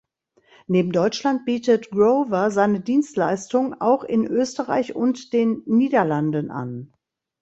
Neben Deutschland bietet Grover seine Dienstleistung auch in Österreich und den Niederlanden an.